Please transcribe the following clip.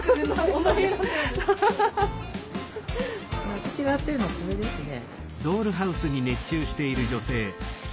私がやってるのはこれですね。